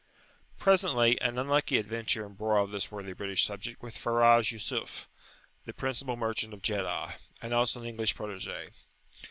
Presently an unlucky adventure embroiled this worthy British subject with Faraj Yusuf, the principal merchant of Jeddah, and also an English protege.